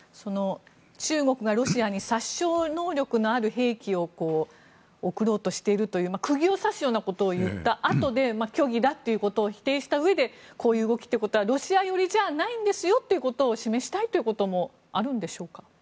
中国がロシアに殺傷能力のある兵器を送ろうとしているという釘を刺すようなことを言ったあとで虚偽だということを否定したうえでこういう動きということはロシア寄りじゃないんですよということを示したいということもあるんでしょうか。